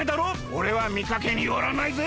おれはみかけによらないぜ！